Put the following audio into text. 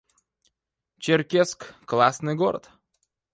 Черкесск — классный город